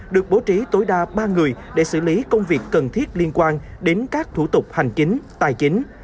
được bố trí tối đa ba người để xử lý công việc cần thiết liên quan đến các thủ tục hành chính tài chính